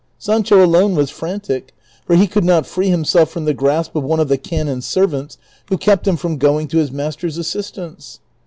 Sancho alone Avas frantic, for he could not free himself from the grasp of one of the canon's servants, Avho kept him from going to his master's assistance.